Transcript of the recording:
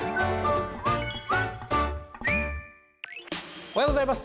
おはようございます。